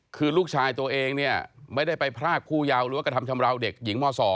คือลูกชายตัวเองเนี่ยไม่ได้ไปพรากผู้เยาว์หรือว่ากระทำชำราวเด็กหญิงม๒